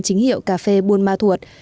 chính hiệu cà phê buôn ma thuật